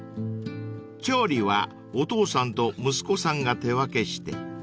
［調理はお父さんと息子さんが手分けして］